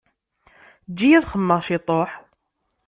Eǧǧ-iyi ad xemmemeɣ ciṭuḥ.